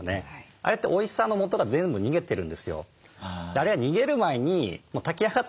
あれっておいしさのもとが全部逃げてるんですよ。